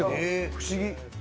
不思議。